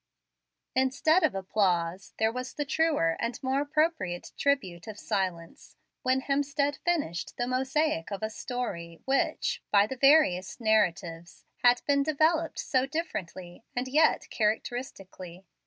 Instead of applause, there was the truer and more appropriate tribute of silence when Hemstead finished the mosaic of a story which, by the various narratives, had been developed so differently and yet characteristically.